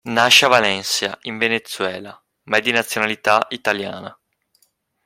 Nasce a Valencia, in Venezuela, ma è di nazionalità italiana.